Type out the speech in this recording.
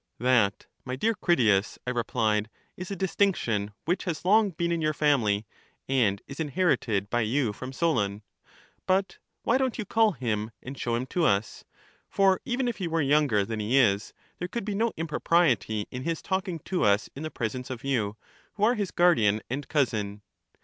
That, my dear Critias, I replied, is a distinction which has long been in your family, and is inherited by you from Solon. But why don't you call him, and show him to us? for even if he were younger than he is, there coiild be no impropriety in his talking to us in the presence of yoii, who are his guardian and cousin.